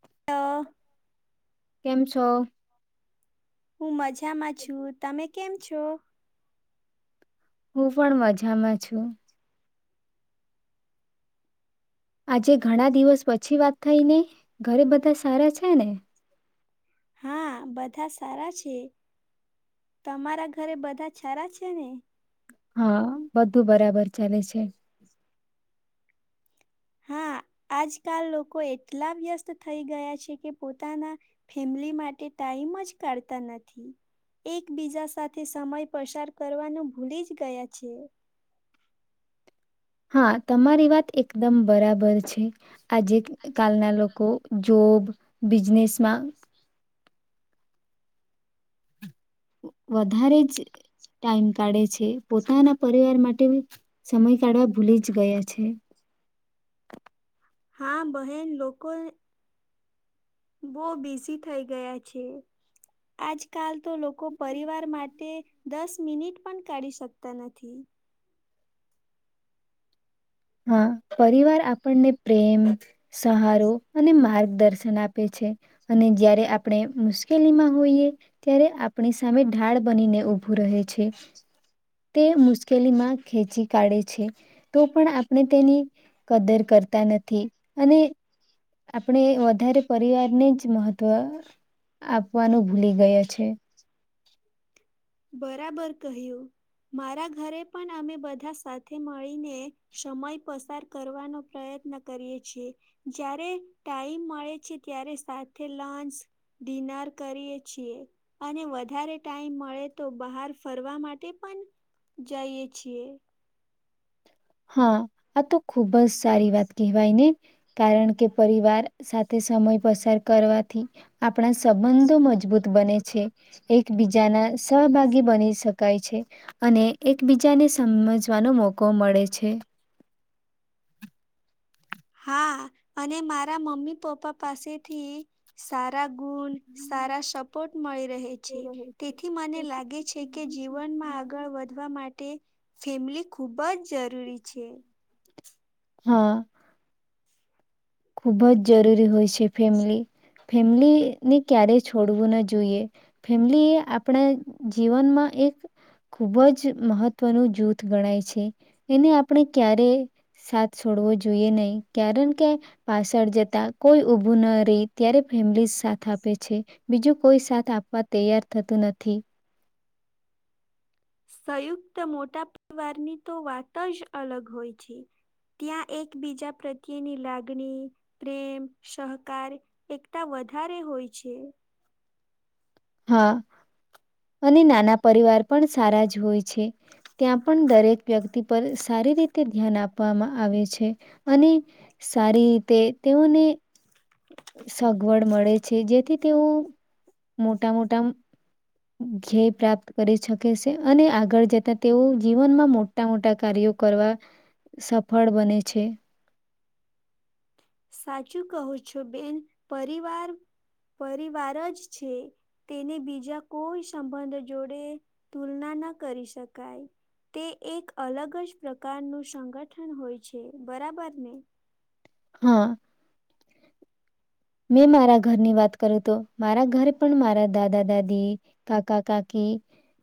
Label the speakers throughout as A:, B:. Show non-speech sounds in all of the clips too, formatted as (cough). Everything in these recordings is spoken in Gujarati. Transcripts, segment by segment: A: (unintelligible)
B: કેમ છો?
A: હું મજામાં છું. તમે કેમ છો?
B: હું પણ મજામાં છું. આજે ઘણા દિવસ પછી વાત થઈ નઈ? ઘરે બધા સારા છે ને?
A: હા બધા સારા છે. તમારા ઘરે બધા ચારા છે ને?
B: હા બધું બરાબર ચાલે છે.
A: હા, આજકાલ લોકો એટલા વ્યસ્ત થઈ ગયા છે કે પોતાના ફેમલી માટે ટાઈમ જ કાઢતા નથી. એકબીજા સાથે સમય પસાર કરવાનું ભૂલી જ ગયા છે.
B: હા તમારી વાત એકદમ બરાબર છે. આજે કાલના લોકો જોબ બિઝનેસમાં વ વધારે જ ટાઈમ કાઢે છે. પોતાના પરિવાર માટેનું સમય કાઢવા ભૂલી જ ગયા છે.
A: હા બહેન લોકો બોવ બિઝી થઈ ગયા છે. આજકાલ તો લોકો પરિવાર માટે દસ મિનિટ પણ કાઢી શકતા નથી.
B: હા પરિવાર આપણને પ્રેમ સહારો અને માર્ગદર્શન આપે છે અને જયારે આપણે મુશ્કેલીમાં હોઈએ ત્યારે આપણી સામે ઢાળ બનીને ઉઊભું રહે છે છેી તે મુશ્કેલીમાં ખેચી કાઢે છે તો પણ આપણે તેની કદર કરતા નથી અને આપણે વધારે પરિવારને જ મહત્વ આપવાનું ભૂલી ગયા છે
A: બરાબર કહ્યું મારા ઘરે પણ અમે બધા સાથે મળીને સમય પસાર કરવાનો પ્રયત્ન કરીએ છીએ જ્યારે ટાઈમ મળે છે ત્યારે સાથે લંચ ડિનર કરીએ છીએ અને વધારે ટાઈમ મળે તો બહાર ફરવા માટે પણ જઈએ છીએ
B: હા આ તો ખુબ જ સારી વાત કહેવાયને કારણ કે પરિવાર સાથે સમય પસાર કરવાથી આપણા સંબંધો મજબૂત બને છે એકબીજાના સહભાગી બની શકાય છે અને એકબીજાને સમજવાનો મોકો મળે છે છે
A: હા અને મારા મમ્મી પપ્પા પાસેથી સારા ગુણ સારા સપોર્ટ મળી રહે
B: તે
A: છે
B: રહે છે.
A: તેથી મને લાગે છે
B: તેથી
A: કે
B: મને લાગે છે કે
A: જીવનમાં આગળ
B: જેને
A: વધવા માટે ફેમિલી ખૂબ જ જરૂરી છે
B: હા ખૂબ જ જરૂરી હોય છે ફેમલી ફેમિલીને ક્યારેય છોડવું ના જોઈએ ફેમિલી એ આપણા જીવનમાં એક ખૂબ જ મહત્વનું જૂથ ગણાય છે એને આપણે ક્યારે સાથ છોડવો જોઈએ નહીં કારણ કે પાછળ જતા કોઈ ઉભું ન રહી ત્યારે ફેમિલી સાથ આપે છે બીજું કોઈ સાથ આપવા તૈયાર થતું નથી
A: સંયુક્ત મોટા પરિવારની તો વાત જ અલગ હોય છે ત્યાં એકબીજા પ્રત્યેની લાગણી પ્રેમ સહકાર એકતા વધારે હોય છે
B: હા અને નાના પરિવાર પણ સારા જ હોય છે ત્યાં પણ દરેક વ્યક્તિ પર સારી રીતે ધ્યાન આપવામાં આવે છે અને સારી રીતે તેઓને સગવડ મળે છે જેથી તેઓ મોટા મોટા ધ્યેય પ્રાપ્ત કરી શકે છે અને આગળ જતા તેઓ જીવનમાં મોટા મોટા કાર્યો કરવા સફળ બને છે
A: સાચું કહું છુ બેન, પરિવાર પરિવાર જ છે, તેને બીજા કોઈ સંબંધ જોડે તુલના ન કરી શકાય, તે એક અલગ જ પ્રકારનું સંગઠન હોય છે, બરાબર ને?
B: હા. મેં મારા ઘરની વાત કરું તો, મારા ઘરે પણ મારા દાદા દાદી, કાકા કાકી,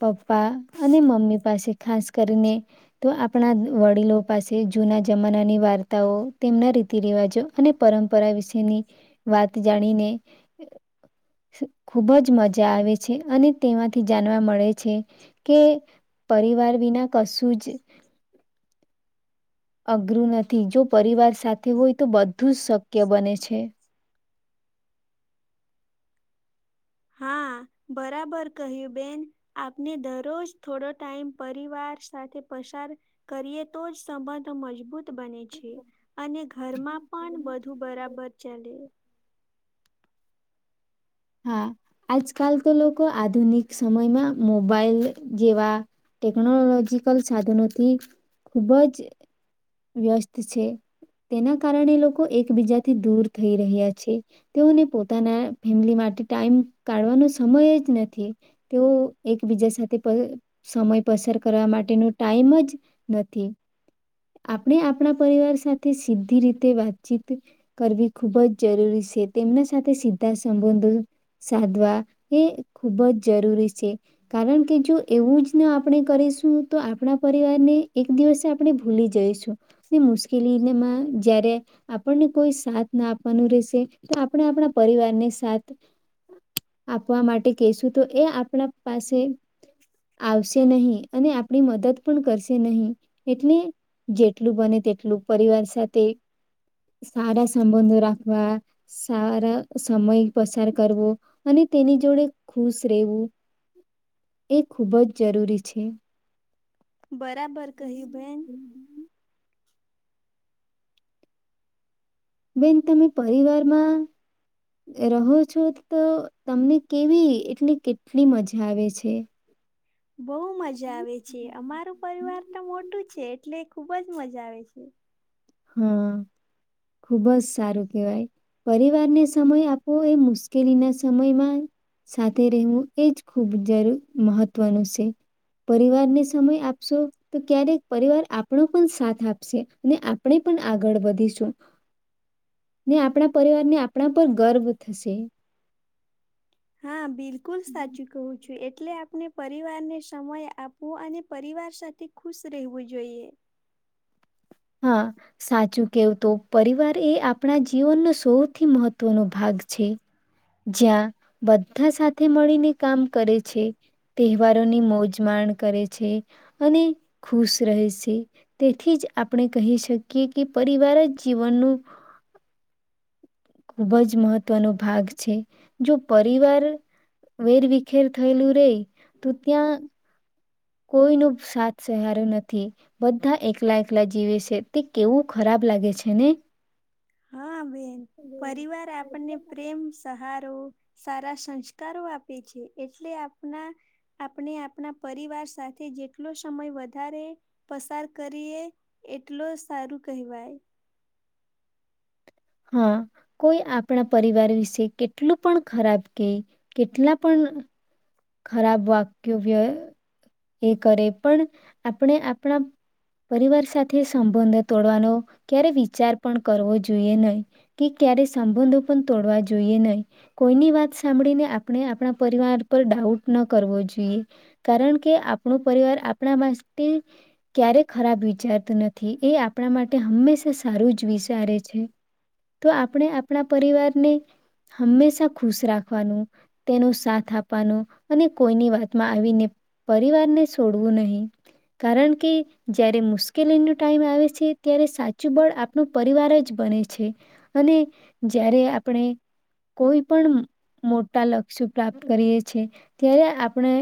B: પપ્પા અને મમ્મી પાસે ખાસ કરીને તો આપણા વડીલો પાસે જૂના જમાનાની વાર્તાઓ, તેમના રીતિ રિવાજો અને પરંપરા વિશેની વાત જાણીને ખુબજ મજા આવે છે અને તેમાંથી જાણવા મળે છે, કે પરિવાર વિના કશુંજ અઘરું નથી. જો પરિવાર સાથે હોય તો બધુંજ શક્ય બને છે.
A: હા, બરાબર કહ્યું બેન, આપને દરરોજ થોડો ટાઈમ પરિવાર સાથે પસાર કરીએ તો જ સંબંધ મજબૂત બને છે. છે, અને ઘરમાં પણ બધું બરાબર ચાલે.
B: હા, આજકાલ તો લોકો આધુનિક સમય માં મોબાઈલ જેવા ટેકનોલોજીકલ સાધનોથી ખૂબજ વ્યસ્ત છે, તેના કારણે લોકો એકબીજાથી દૂર થઈ રહ્યા છે, તેઓને પોતાના ફેમિલી માટે ટાઈમ કાઢવાનો સમય જ નથી, તેવુ એકબીજા સાથે પલ સમય પસાર કરવા માટેનો ટાઈમ જ નથી. આપણે આપણા પરિવાર સાથે સીધી રીતે વાતચીત કરવી ખૂબ જ જરૂરી શે, તેમના સાથે સીધા સંબંધો સાધવા એ ખુબ જ જરૂરી છે, કારણ કે જો એવું જ ના આપણે કરીશું તો આપણા પરિવારને એક દિવસે આપણે ભૂલી જઈશું મુશ્કેલીમાં જય્યારે આપણને કોઈ સાથ ના આપવાનું રહેશે તો આપણે આપણા પરિવારને સાથ આપવા માટે કેશું તો એ આપણા પાસે આવશે નહીં અને આપણી મદદ પણ કરશે નહીં એટલે જેટલું બને તેટલું પરિવાર સાથે સારા સંબંધો રાખવા સારા સમય પસાર કરવો અને તેની જોડે ખુશ રહેવું એ ખૂબ જ જરૂરી છે.
A: બરાબર કહ્યું બેેન
B: બેન તમે પરિવારમાં રહો છો તો તમને કેવી એટલી કેટલી મજા આવે છે.
A: બહુ મજા આવે છે, અમારું પરિવાર તો મોટું છે, એટલે ખુબ જ મજા આવે છે.
B: હા ખુબ જ સારું કેવાય પરિવારને સમય આપો એ મુશ્કેલીના સમયમાં સાથે રહેવું એજ ખૂબ જરૂર મહત્વનું શે, પરિવારને સમય આપશો તો ક્યારેક પરિવાર આપણો પણ સાથ આપશે ને આપણે પણ આગળ વધીશું ને આપણા પરિવારને આપણા પર ગર્વ થશે.
A: હા બિલકુલ સાચું કહું છું. એટલે આપણે પરિવાર ને સમય આપવો અને પરિવાર સાથે ખુશ રહેવું જોઈએ.
B: હા સાચું કેવું તો પરિવાર એ આપણા જીવનનો સૌથી મહત્વનો ભાગ છે, જ્યાં બધા સાથે મળીને કામ કરે છે, તહેવારોની મોજ માણ કરે છે, અને ખુશ રહે છે, તેથી જ આપણે કહી શકીએ કે પરિવાર જ જીવનનું ખુબ જ મહત્વનો ભાગ છે, જો પરિવાર વેરવખેર થયેલું રે તો ત્યાં કોઈનુ સાથ સહારો નથી, બધા એકલા એકલા જીવે છે, તે કેવું ખરાબ લાગે છે, ને
A: હા બેન પરિવાર આપણને પ્રેમ સહાર તો સારા સંસ્કારો આપે છે, એટલે આપના આપણે આપના પરિવાર સાથે જેટલો સમય વધારે પસાર કરીએ એટલો સારું કહેવાય.
B: હા કોઈ આપણા પરિવાર વિશે કેટલું પણ ખરાબ કેય કેટલા પણ ખરાબ વાક્યો વ્ય એ કરે પણ આપણે આપણા પરિવાર સાથે સંબંધો તોડવાનો ક્યારે વિચાર પણ કરવો જોઈએ નહી કે ક્યારે સંબંધો પણ તોડવા જોઈએ નહીં કોઈની વાત સાંભળીને આપણે આપણા પરિવાર પર ડાઉટ ન કરવો જોઈએ કારણ કે આપણો પરિવાર આપણા માટે ક્યારેય ખરાબ વિચારતું નથી એ આપણા માટે હંમેશા સારું જ વિચારે છે, તો આપણે આપણા પરિવારને હંમેશા ખુશ રાખવાનું તેનો સાથ આપ પવાનું અને કોઈની વાતમાં આવીને પરિવારને છોડવું નહીં કારણ કે જ્યારે મુશ્કેલીનો ટાઈમ આવે છે, ત્યારે સાચું બળ આપણું પરિવાર જ બને છે, અને જ્યારે આપણે કોઈ પણ મોટા લક્ષ્ય પ્રાપ્ત કરીએ છે, ત્યારે આપણે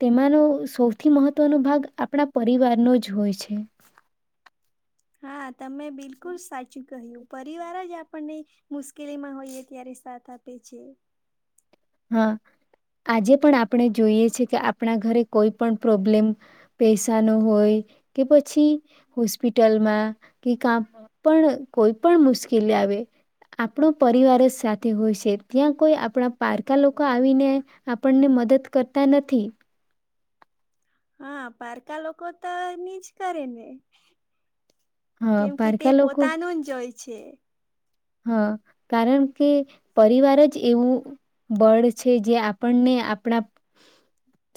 B: તેમાંનો સૌથી મહત્વનો ભાગ આપણા પરિવારનો જ હોય છે.
A: (unintelligible) તમે બિલકુલ સાચું કહ્યું પરિવાર જ આપ (unintelligible) મુશ્કેલીમાં હોઈએ ત્યારે સાથ આપે છે.
B: હા આજે પણ આપણે જોઈએ છે, કે આપણા ઘરે કોઈ પણ પ્રોબ્લેમ પૈસાનો હોય કે પછી હોસ્પિટલમાં કે કા પણ કોઈ પણ મુશ્કેલી આવે આપણો પરિવાર જ સાથે હોય છે, ત્યાં કોઈ આપણા પારકા લોકો આવીને આપણને મદદ કરતા નથી.
A: હા પારકા લોકો તો ની જ કરેને
B: હા
A: કેમ કે તે
B: પારકા લોકો
A: પોતાનું જ જોય છે.
B: હા કારણ કે પરિવાર જ એવું બળ છે, જે આપણને આપણા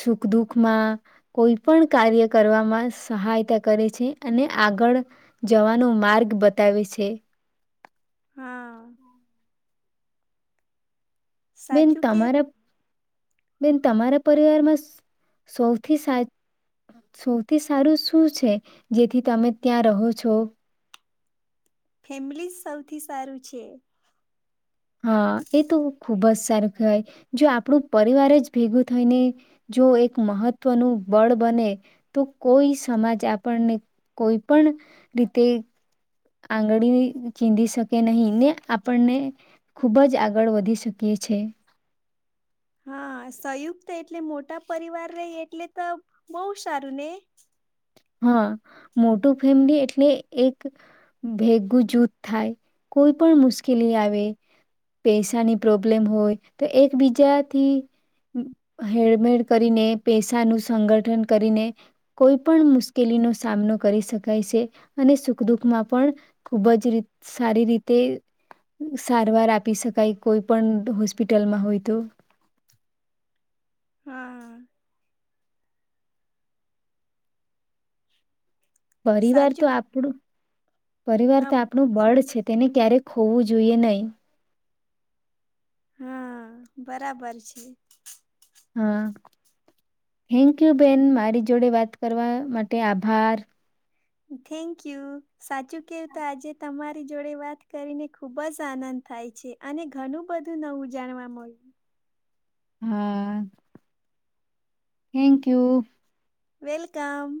B: સુખ દુઃખમાં કોઈ પણ કાર્ય કરવામાં સહાયતા કરે છે, અને આગળ જવાનો માર્ગ બતાવે છે.
A: હા.
B: બેન
A: સાચું કે
B: તમારા બેન તમારા પરિવારમાં સૌથી સારું શું છે જેથી તમે ત્યાં રહો છો.
A: ફેમિલી સૌથી સારું છે
B: હા એ તો ખુબ જ સરસ જો આપણું પરિવારે જ ભેગું થઈને જો એક મહત્વનું બળ બને તો કોઈ સમાજ આપણને કોઈપણ રીતે આંગળી શકે નહીં ને આપણને ખૂબ જ આગળ વધી શૂકીએ છે.
A: હા સંયુક્ત એટલે મોટા પરિવાર ર એટલે તો બહુ સારું ને
B: હા મોટું ફેમિલી એટલે એક ભેગું જૂથ થાય કોઈ મોટું ફેમિલી એટલે એક ભેગુ થાય પણ મુશ્કેલી આવે પેસાની પ્રોબ્લેમ હોય તો એકબીજાથી હેળમેળ કરીને પેસા ન સંગઠન કરીને કોઈ પણ મુશ મુશ્કેલીનો સામનો કરી શકાય છે અને સુખ દુઃખ માં પણ ખુબ જ સારી રીતે સારવાર આપી શકાય કોઈ પણ હોસ્પિટલમાં હોય તો.
A: હા.
B: પરિવાર તો
A: સાચું
B: આપણુ પરિવાર
A: હા
B: તો આપણું બળ છે તેને ક્યારેક હોવું જોઈએ નહી
A: હા બરાબર છે.
B: હા, થેન્ક યુ બેન મારી જોડે વાત કરવા માટે આભાર
A: થેન્કયુ સાચું કેવું તો આજે તમારી જોડે વાત કરીને ખુબ જ આનંદ થાય છે અને ઘણું બધું નવું જાણવા મળ્યું.
B: હા થેન્ક યુ.
A: વેલકમ